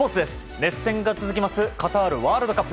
熱戦が続きますカタールワールドカップ。